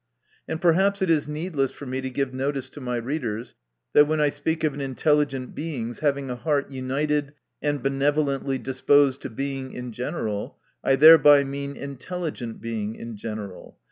And perhaps it is needless for me to give notice to my readers, that when I speak of an intelligent Being's having a heart united and benevolently disposed '/> Being in general, I thereby mean intelligent Being in general.